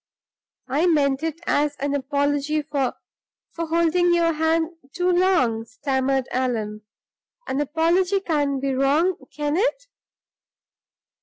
"I meant it as an apology for for holding your hand too long," stammered Allan. "An apology can't be wrong can it?"